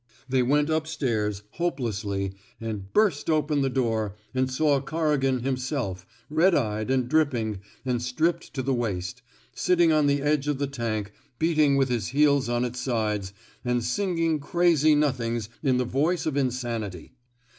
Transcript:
They went up stairs, hopelessly, and burst open the door, and saw Corrigan himself — red eyed and dripping, and stripped to the waist — sitting on the edge of the tank, beat ing with his heels on its sides, and singing crazy nothings in the voice of insanity.